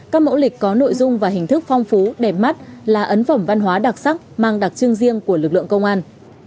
các mẫu lịch có nội dung và hình thức phong phú đẹp mắt là ấn phẩm văn hóa đặc sắc mang đặc trưng riêng của lực lượng công an